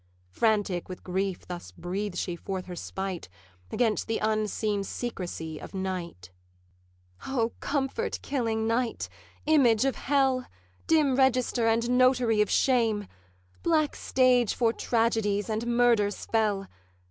Frantic with grief thus breathes she forth her spite Against the unseen secrecy of night: 'O comfort killing Night, image of hell! Dim register and notary of shame! Black stage for tragedies and murders fell!